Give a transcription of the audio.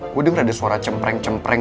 gue denger ada suara cempreng cempreng